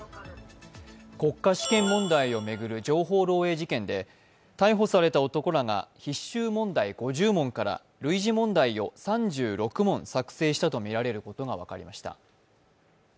国家試験問題を巡る情報漏えい事件で、逮捕された男らが必修問題５０問から類似問題を３６問作成したとみられることが分かりました。